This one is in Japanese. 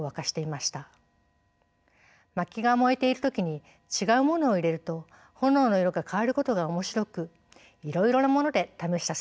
まきが燃えている時に違うものを入れると炎の色が変わることが面白くいろいろなもので試したそうです。